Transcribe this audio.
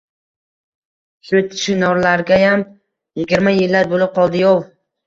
— Shu chinorlargayam... yigirma yillar bo‘lib qol-di-yov?